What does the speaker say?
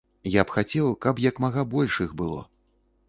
Я б хацеў, каб як мага больш іх было.